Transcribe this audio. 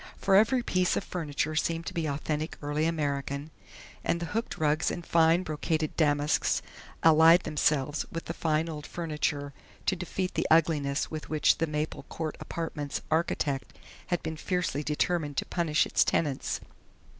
For every piece of furniture seemed to be authentic early American, and the hooked rugs and fine, brocaded damasks allied themselves with the fine old furniture to defeat the ugliness with which the Maple Court Apartments' architect had been fiercely determined to punish its tenants.